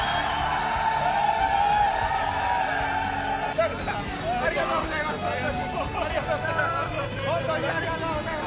ダルさん、ありがとうございます。